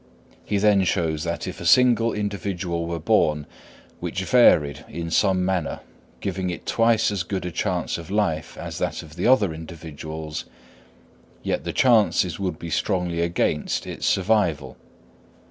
He then shows that if a single individual were born, which varied in some manner, giving it twice as good a chance of life as that of the other individuals, yet the chances would be strongly against its survival.